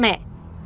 mất cà phê